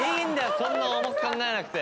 そんな重く考えなくて。